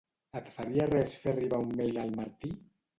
Et faria res fer arribar un mail al Martí?